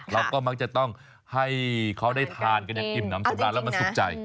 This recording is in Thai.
เราก็มักจะต้องให้เขาได้ทานกินน้ำสุดท้ายแล้วมันสุขใจ